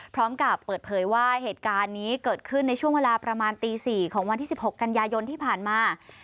พร้อมกับเปิดเผยว่าเหตุการณ์นี้เกิดขึ้นในช่วงเวลาประมาณตี๔ของวันที่๑๖กันยายนที่ผ่านมา